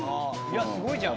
すごいじゃん。